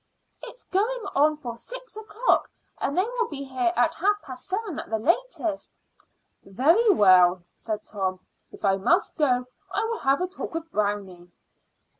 "It is going on for six o'clock; and they will be here at half past seven at the latest." "Very well," said Tom; "if I must go I will have a talk with Brownie."